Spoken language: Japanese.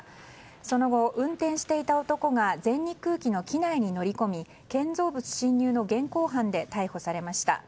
その後、運転していた男が全日空機の機内に乗り込み建造物侵入の現行犯で逮捕されました。